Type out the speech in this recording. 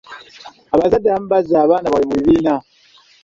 Abazadde abamu bazza abaana baabwe mu bibiina.